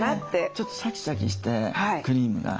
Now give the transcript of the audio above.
ちょっとシャキシャキしてクリームが。